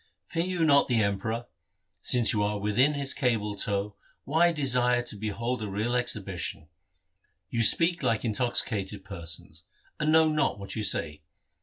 ' Fear you not the Emperor ? Since you are within his cable tow, why desire to behold a real exhibition ? You speak like intoxicated persons, and know not what you say.